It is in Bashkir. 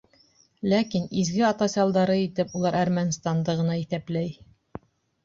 Ләкин изге атайсалдары итеп улар Әрмәнстанды ғына иҫәпләй.